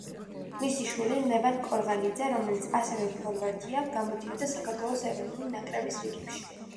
მისი შვილი, ლევან კორღალიძე, რომელიც ასევე ფორვარდია, გამოდიოდა საქართველოს ეროვნული ნაკრების რიგებში.